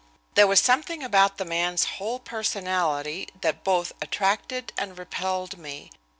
There was something about the man's whole personality that both attracted and repelled me.